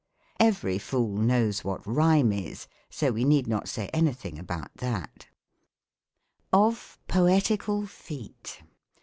Every fool knows what Rhyme is ; so we need not say anything about that. OF POETICAL FEET.